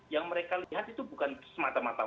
yang mereka lihat itu bukan semata mata